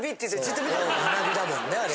学びだもんねあれ。